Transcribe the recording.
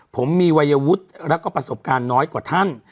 ผมมีวัยวุฒิแล้วก็ประสบการณ์น้อยกว่าท่าน